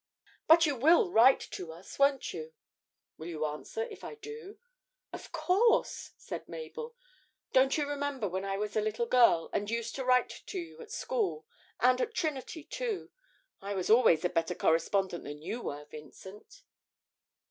'But you will write to us, won't you?' 'Will you answer if I do?' 'Of course,' said Mabel. 'Don't you remember when I was a little girl, and used to write to you at school, and at Trinity too? I was always a better correspondent than you were, Vincent.'